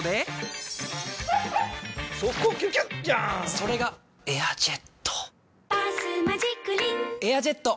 それが「エアジェット」「バスマジックリン」「エアジェット」！